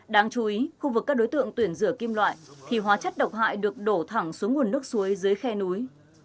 đáng chú ý khu vực các đối tượng tuyển rửa kim loại thì hóa chất độc hại được đổ thẳng xuống nguồn nước suối dưới khe núi